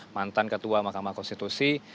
mantan ketua mahkamah konstitusi